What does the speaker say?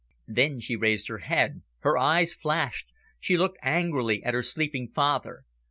Then she raised her head. Her eyes flashed. She looked angrily at her sleeping father.